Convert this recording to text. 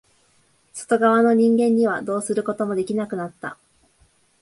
外側の人間にはどうすることもできなくなった。